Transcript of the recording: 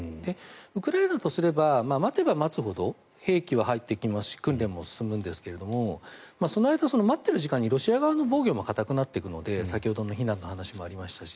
ウクライナとすれば待てば待つほど兵器は入ってくるし訓練も進むんですけどその間、待っている時間にロシア側の防御も固くなっていくので先ほどの避難の話もありましたし。